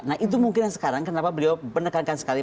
nah itu mungkin yang sekarang kenapa beliau menekankan sekali